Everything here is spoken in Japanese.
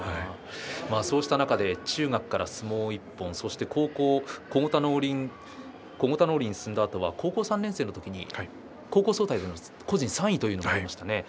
そうした中で中学から相撲１本、そして高校は小牛田農林に進んだあとは高校３年生の時に高校総体個人３位ということもありましたね。